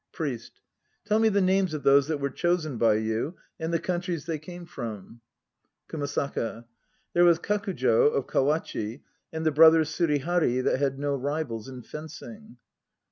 ... PRIEST. Tell me the names of those that were chosen by you and the countries they came from. KUMASAKA. There was Kakujd of Kawachi, and the brothers Surihari that had no rivals in fencing.